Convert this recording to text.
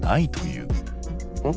うん？